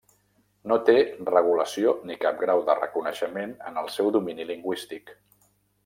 No té regulació ni cap grau de reconeixement en el seu domini lingüístic.